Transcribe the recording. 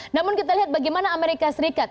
namun kita lihat bagaimana amerika serikat